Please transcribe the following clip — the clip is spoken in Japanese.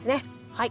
はい。